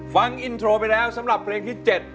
ฟังอินโทรไปแล้วสำหรับเพลงที่๗